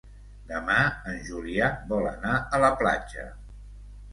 Demà en Julià vol anar a la platja.